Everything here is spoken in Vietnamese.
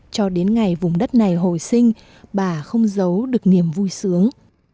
cho đến ngày vùng đất này hồi sinh bà không giấu được niềm vui sướng